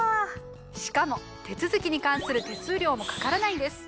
しかも手続きに関する手数料もかからないんです。